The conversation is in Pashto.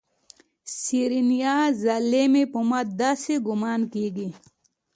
سېرېنا ظالمې په ما داسې ګومان کېږي.